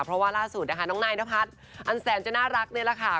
เพราะว่าล่าสุดนะคะน้องนายนพัฒน์อันแสนจะน่ารักนี่แหละค่ะ